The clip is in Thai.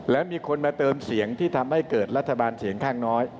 และมีคนมาเติมเสียงที่ทำให้เกิดรัฐบาลเสียงข้างน้อย